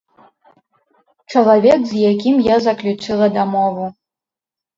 Чалавек, з якім я заключыла дамову.